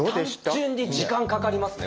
単純に時間かかりますね